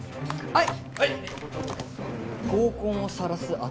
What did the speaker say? はい！